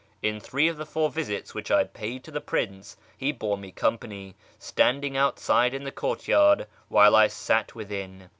In three of the four visits which I paid to the Prince, he bore me company, standing outside in the courtyard while I sat within.